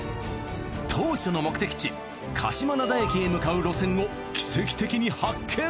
当初の目的地鹿島灘駅に向かう路線を奇跡的に発見！